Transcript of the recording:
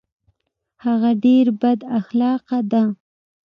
هغه ډیر بد اخلاقه ده